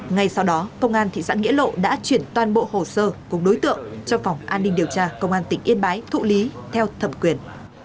ngay sau đó công an thị xã nghĩa lộ đã chuyển toàn bộ hồ sơ cùng đối tượng cho phòng an ninh điều tra công an tỉnh yên bái thụ lý theo thẩm quyền